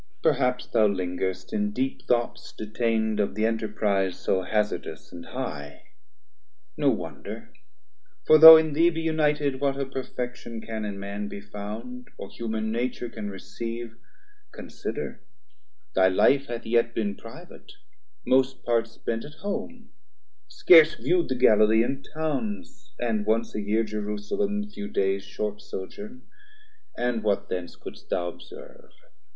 Perhaps thou linger'st in deep thoughts detain d Of the enterprize so hazardous and high; No wonder, for though in thee be united What of perfection can in man be found, 230 Or human nature can receive, consider Thy life hath yet been private, most part spent At home, scarce view'd the Gallilean Towns And once a year Jerusalem, few days Short sojourn; and what thence could'st thou observe?